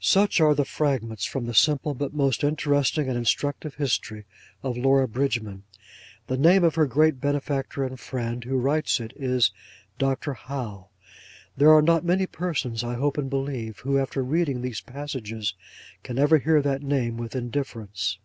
Such are a few fragments from the simple but most interesting and instructive history of Laura Bridgman. The name of her great benefactor and friend, who writes it, is Dr. Howe. There are not many persons, I hope and believe, who, after reading these passages, can ever hear that name with indifference.